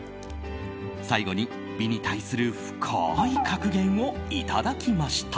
最後に美に対する深い格言をいただきました。